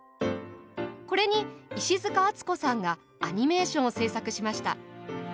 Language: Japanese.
これにいしづかあつこさんがアニメーションを制作しました。